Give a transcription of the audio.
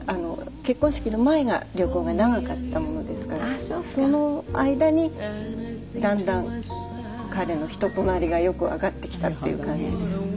結婚式の前が旅行が長かったものですからその間にだんだん彼の人となりがよくわかってきたっていう感じです。